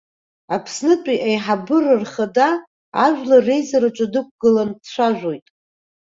Аԥснытәи аиҳабыра рхада, ажәлар реизараҿы дықәгылан дцәажәоит.